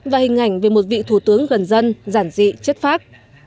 và hình ảnh về một vị thủ tướng gần dân giản dị chất phác